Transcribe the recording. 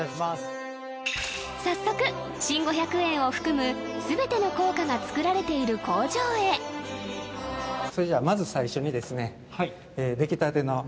早速新５００円を含む全ての硬貨が造られている工場へそれじゃあまず最初にですね